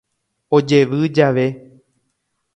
Ojevy jave.